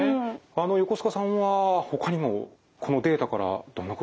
あの横須賀さんはほかにもこのデータからどんなことを注目しますか？